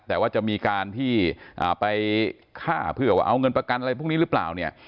แต่ว่าจะมีการที่ไปฆ่าเพื่อว่าเอาเงินประกันอะไรพวกนี้หรือเปล่าเนี่ย